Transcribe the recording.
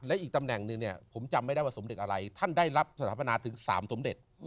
และอีกตำแหน่งหนึ่งเนี่ยผมจำไม่ได้ว่าสมเด็จอะไรท่านได้รับสถาปนาถึง๓สมเด็จ